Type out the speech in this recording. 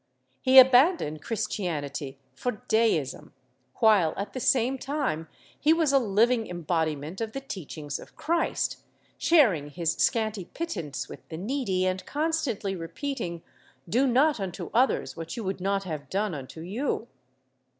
He abandoned Christianity for Deism, while at the same time he was a living embodiment of the teachings of Christ, sharing his scanty pittance with the needy, and constantly repeating ''Do not unto others what you would not have done unto you."